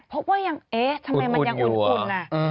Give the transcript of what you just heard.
พบว่ายังเอ๊ะทำไมมันยังอุ่น